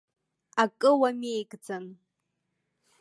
Акы уамеигӡан!